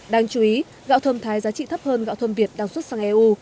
đáng chú ý gạo thơm thái giá trị thấp hơn gạo thơm việt đang xuất sang eu